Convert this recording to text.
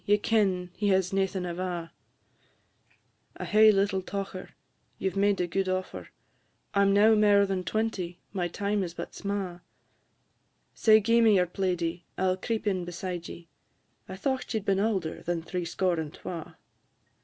ye ken he has naething ava. I hae little tocher; you 've made a gude offer; I 'm now mair than twenty my time is but sma'; Sae gi'e me your plaidie, I 'll creep in beside ye I thocht ye 'd been aulder than threescore and twa."